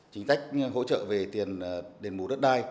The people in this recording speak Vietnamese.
chính sách hỗ trợ về tiền đền bù đất đai